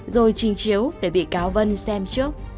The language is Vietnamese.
rồi trình chiếu để bị cáo vân xem trước